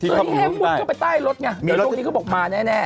ที่เข้าไปมุมที่ใต้มุมเข้าไปใต้รถไงเดี๋ยวตรงนี้เขาบอกมาแน่